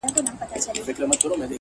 نیک عمل له الفاظو ډېر ځواک لري